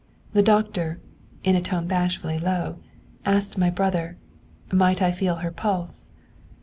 'The doctor, in a tone bashfully low, asked my brother: "Might I feel her pulse?"